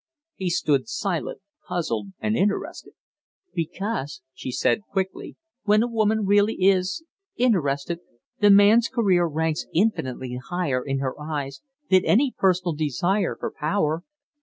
He stood silent, puzzled and interested. "Because," she said, quickly, "when a woman really is interested, the man's career ranks infinitely higher in her eyes than any personal desire for power."